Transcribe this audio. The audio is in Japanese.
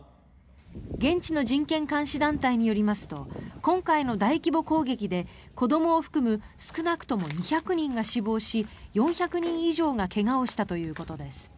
現地の人権監視団体によりますと今回の大規模攻撃で子どもを含む少なくとも２００人が死亡し４００人以上が怪我をしたということです。